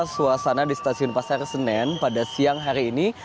suasana di stasiun pasar senen pada siang hari ini